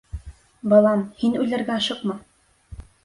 — Балам, һин үлергә ашыҡма!